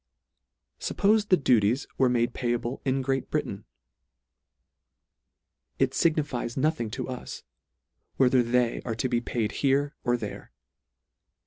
Suppofe the duties were made payable in Great Britain ? It lignifies nothing to us, whether they are to be paid here or there.